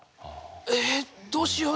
えっどうしよう？